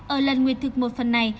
ở lần nguyệt thực một phần này